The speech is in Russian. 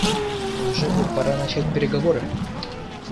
И уже бы пора начать переговоры.